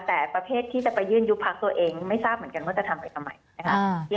แต่ประเภทที่จะไปยื่นยุบพักตัวเองไม่ทราบเหมือนกันว่าจะทำไปทำไมนะคะ